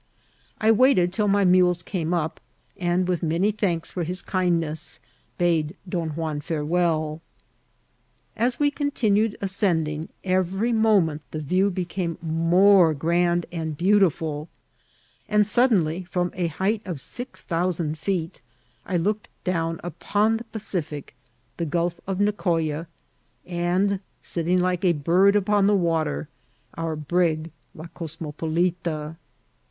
I waited till my mules came up, and with many thanks for his kindness, bade Don Juan farewelL As we continued ascending, every moment the view became more grand and beautiful ; and suddenly, from a height of six thousand feet, I looked down upon the Pacific, the Gulf of Nicoya, and, sitting like a bird upon the water, our brig. La Cosmopolita.